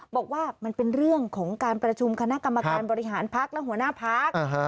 บอกว่ามันเป็นเรื่องของการประชุมคณะกรรมการบริหารพักและหัวหน้าพัก